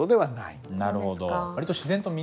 なるほど。